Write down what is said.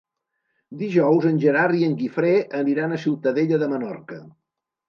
Dijous en Gerard i en Guifré aniran a Ciutadella de Menorca.